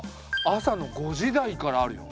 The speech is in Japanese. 朝の５時台からあるよ。